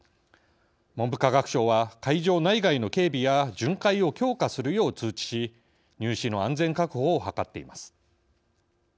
文部科学省は会場内外の警備や巡回を強化するよう通知し入試の安全確保を図っています。